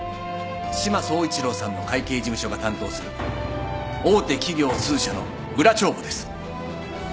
志摩総一郎さんの会計事務所が担当する大手企業数社の裏帳簿です。